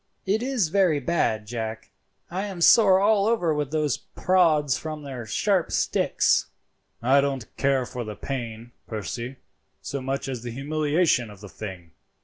"It is very bad, Jack. I am sore all over with those prods from their sharp sticks." "I don't care for the pain, Percy, so much as the humiliation of the thing.